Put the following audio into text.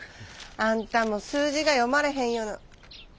あんたも数字が読まれへんような。